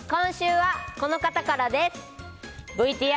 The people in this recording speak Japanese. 今週はこの方からです。